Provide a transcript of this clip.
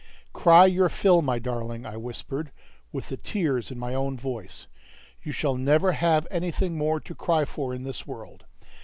"Cry your fill, my darling," I whispered, with the tears in my own voice. "You shall never have anything more to cry for in this world!